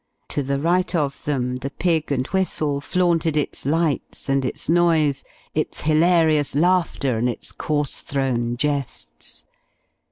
To the right of them the "Pig and Whistle" flaunted its lights and its noise, its hilarious laughter and its coarse thrown jests.